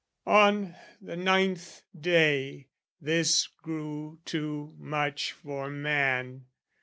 On the ninth day, this grew too much for man.